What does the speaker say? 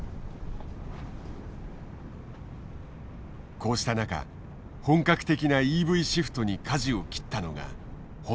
こうした中本格的なＥＶシフトにかじを切ったのがホンダだ。